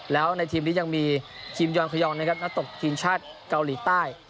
แล้วในทีมนี้ยังมีทีมยอนขยองนะครับนักตกทีมชาติเกาหลีใต้